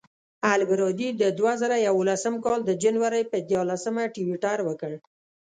البرادعي د دوه زره یولسم کال د جنورۍ پر دیارلسمه ټویټر وکړ.